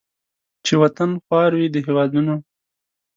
چې وطن خوار وي د هیوادونو